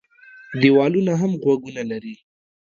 ديوالونه هم غوږونه لري.